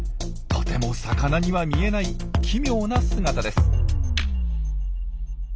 とても魚には見えない奇妙な姿です。